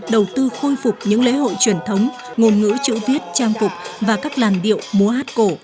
đầu tư khôi phục những lễ hội truyền thống ngôn ngữ chữ viết trang cục và các làn điệu múa hát cổ